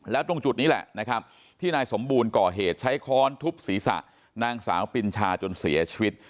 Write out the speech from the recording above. แล้วตรงจุดนี้แหละนะครับที่นายสมบูรณ์ก่อเหตุใช้ค้อนทุบศีรษะนางสาวปินชาจนเสียชีวิต